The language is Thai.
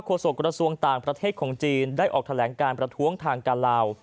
โศกกระทรวงต่างประเทศของจีนได้ออกแถลงการประท้วงทางการลาว